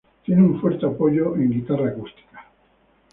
Tiene un fuerte apoyo de la guitarra acústica.